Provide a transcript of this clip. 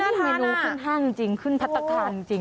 อู้ยหน้าธานะขึ้นภาครึ่งจริงขึ้นพรรทนามจริง